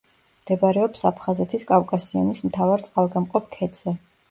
მდებარეობს აფხაზეთის კავკასიონის მთავარ წყალგამყოფ ქედზე.